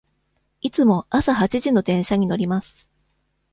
いつも朝八時の電車に乗ります。